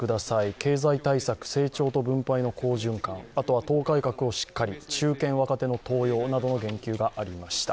経済対策、成長と分配の好循環、あとは党改革をしっかり、中堅・若手の登用などの言及がありました。